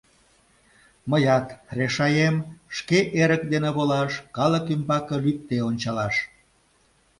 Мыят решаем: шке эрык дене волаш, калык ӱмбаке лӱдде ончалаш...